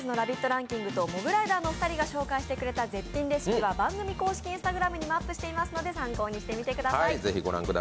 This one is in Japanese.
ランキングとモグライダーのお二人が紹介してくれた絶品レシピは番組公式Ｉｎｓｔａｇｒａｍにもアップしていますので参考にしてみてください。